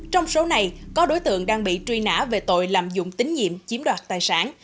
trong số này có đối tượng đang bị truy nã về tội lạm dụng tín nhiệm chiếm đoạt tài sản